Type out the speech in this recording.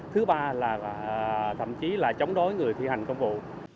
thứ ba là thậm chí là chống đối người thi hành công vụ